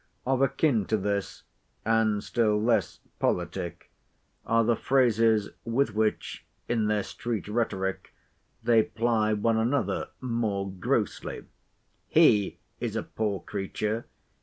Of a kin to this, and still less politic, are the phrases with which, in their street rhetoric, they ply one another more grossly:—He is a poor creature.